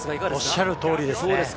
おっしゃる通りですね。